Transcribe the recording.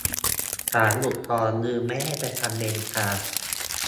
ศาลอุทธรณ์ยืนไม่ให้ประกัน 'เบนจา'